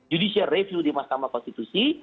judicial review di mahkamah konstitusi